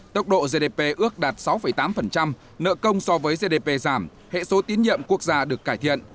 tốc độ gdp ước đạt sáu tám nợ công so với gdp giảm hệ số tín nhiệm quốc gia được cải thiện